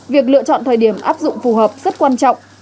việc lựa chọn thời điểm áp dụng phù hợp rất quan trọng